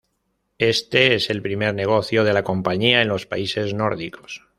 Este es el primer negocio de la compañía en los países nórdicos.